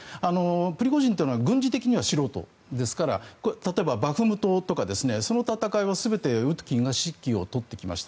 プリゴジンというのは軍事的には素人ですから例えばバフムトとかその戦いは、全てウトキンが指揮を執ってきました。